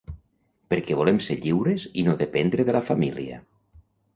Perquè volem ser lliures i no dependre de la família...